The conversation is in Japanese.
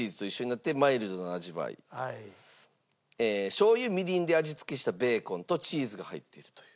しょう油みりんで味付けしたベーコンとチーズが入っているという。